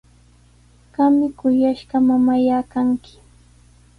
Qami kuyashqa mamallaa kanki.